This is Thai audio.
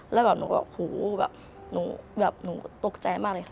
แล้วแบบหนูก็แบบหนูตกใจมากเลยค่ะ